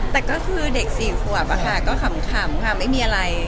แต่ก็คือเด็ก๔ขวบก็ขำค่ะไม่มีอะไร